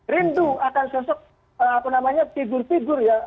rindu akan sosok apa namanya figur figur ya